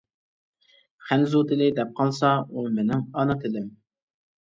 خەنزۇ تىلى دەپ قالسا ئۇ مېنىڭ ئانا تىلىم!